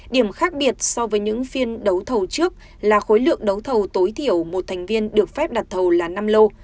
điểm khác biệt so với những phiên đấu thầu trước là khối lượng đấu thầu tối thiểu một thành viên được phép đặt thầu là năm lô